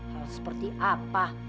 hal seperti apa